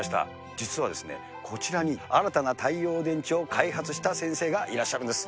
実は、こちらに新たな太陽電池を開発した先生がいらっしゃるんです。